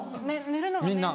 みんな？